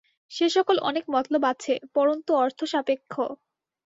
সে-সকল অনেক মতলব আছে, পরন্তু অর্থসাপেক্ষ।